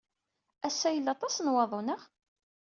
Ass-a, yella aṭas n waḍu, naɣ?